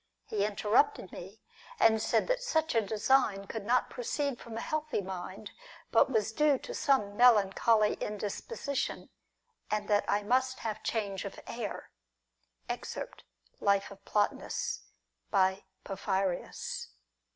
He interrupted me, and said tliat such a design could not proceed from a healthy mind, but was due to some melan choly indisposition, and that I must have change of air" (Ex. Life of Plotinus, by Porphyrius).